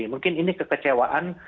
mungkin ini kekecewaan